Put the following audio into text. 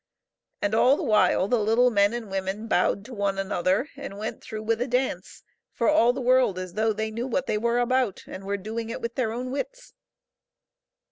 And all the while the little men and women bowed to one another and went through with a dance, for all the world as though they knew what they were about, and were doing it with their own wits.